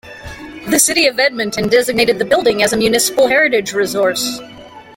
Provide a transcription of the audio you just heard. The City of Edmonton designated the building as a Municipal Heritage Resource.